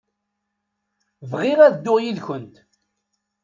Bɣiɣ ad dduɣ yid-kent.